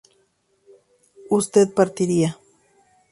usted partiría